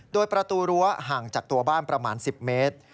โดยประตูรั้วห่างจากตัวบ้านประมาณ๑๐เมตร